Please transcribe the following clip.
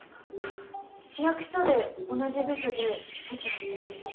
市役所で同じ部署で席が隣で。